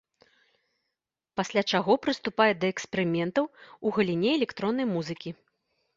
Пасля чаго прыступае да эксперыментаў у галіне электроннай музыкі.